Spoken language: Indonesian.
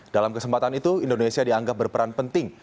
dalam kesempatan itu indonesia dianggap berperan penting